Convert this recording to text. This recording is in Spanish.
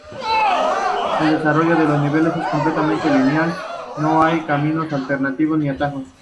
El desarrollo de los niveles es completamente lineal, no hay caminos alternativos ni atajos.